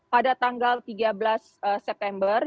pada tanggal tiga belas september